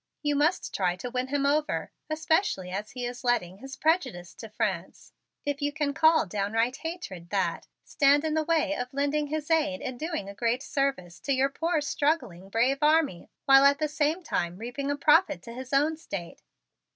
You must try to win him over, especially as he is letting his prejudice to France, if you can call downright hatred that, stand in the way of lending his aid in doing a great service to your poor, struggling, brave army, while at the same time reaping a profit to his own State.